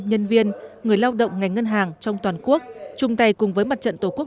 nhân viên người lao động ngành ngân hàng trong toàn quốc chung tay cùng với mặt trận tổ quốc